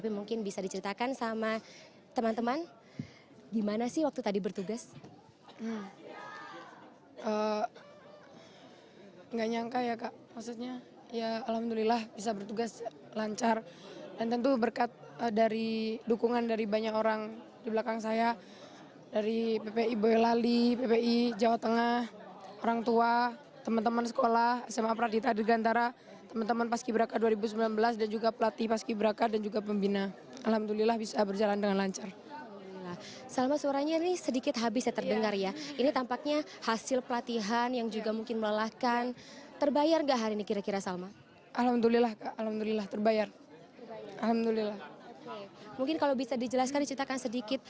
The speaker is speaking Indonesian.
mungkin kalau bisa dijelaskan diceritakan sedikit